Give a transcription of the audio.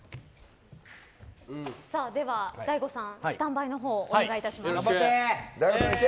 では、大悟さんスタンバイのほうお願いします。